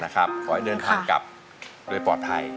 ขอให้เดินทางกลับโดยปลอดภัย